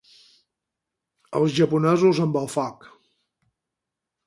Els japonesos amb el foc.